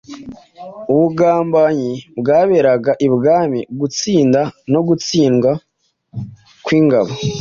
ubugambanyi bwaberaga ibwami, gutsinda no gutsindwa kw’ingabo